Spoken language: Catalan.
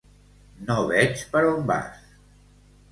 No veig per on vas.